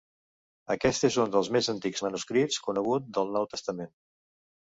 Aquest és un dels més antics manuscrits conegut del Nou Testament.